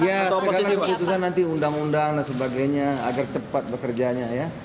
ya segala keputusan nanti undang undang dan sebagainya agar cepat bekerjanya ya